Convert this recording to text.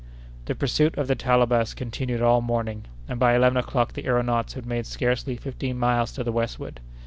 The pursuit of the Talabas continued all morning; and by eleven o'clock the aëronauts had made scarcely fifteen miles to the westward.